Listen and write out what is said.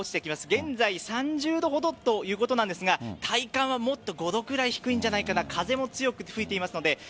現在３０度ほどということなんですが体感は、もっと５度くらい低いんじゃないかな風も強く吹いていますので。